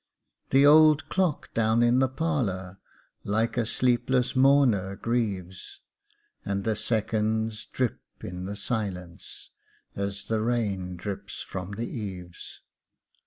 The old clock down in the parlor Like a sleepless mourner grieves, And the seconds drip in the silence As the rain drips from the eaves.